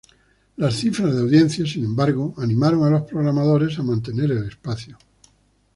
Las cifras de audiencia, sin embargo, animaron a los programadores a mantener el espacio.